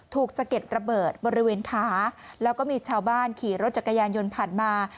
สะเก็ดระเบิดบริเวณขาแล้วก็มีชาวบ้านขี่รถจักรยานยนต์ผ่านมา